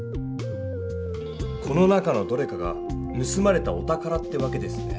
この中のどれかがぬすまれたお宝ってわけですね。